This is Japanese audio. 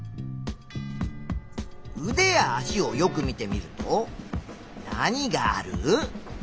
うでや足をよく見てみると何がある？